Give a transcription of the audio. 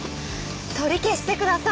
取り消してください。